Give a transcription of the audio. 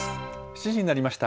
７時になりました。